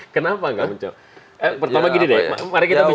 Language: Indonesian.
kenapa nggak muncul pertama gini deh mari kita bicara